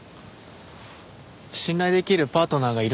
信頼できるパートナーがいるんですね。